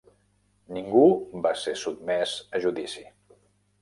Ningú va ser sotmès a judici.